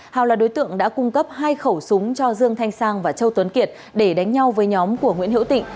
hào là đối tượng đã cung cấp hai khẩu súng cho dương thanh sang và châu tuấn kiệt để đánh nhau với nhóm của nguyễn hữu tịnh